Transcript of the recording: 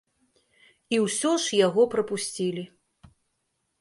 І ўсё ж яго прапусцілі.